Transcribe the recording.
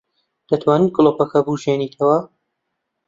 دەتوانیت گڵۆپەکە بکوژێنیتەوە؟